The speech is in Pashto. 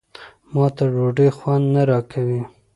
ما ته ډوډۍ خوند نه راکوي.